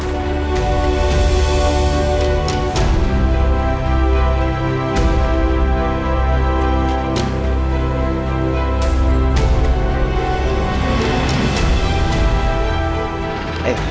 tante aku mau